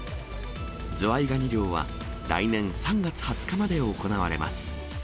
ズワイガニ漁は、来年３月２０日まで行われます。